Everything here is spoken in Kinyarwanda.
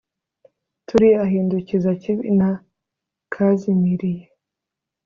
turi ahindukiza kibi na kazimiriye